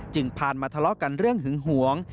ผ่านมาทะเลาะกันเรื่องหึงหวง